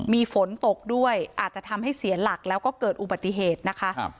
มีฝนตกด้วยอาจจะทำให้เสียหลักแล้วก็เกิดอุบัติเหตุนะคะ